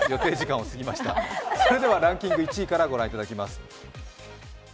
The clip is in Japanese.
それでは、ランキング１位からご覧いただきます。